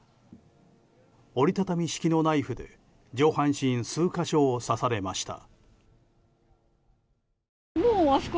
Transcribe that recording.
折り畳み式ナイフで上半身数か所を刺されました。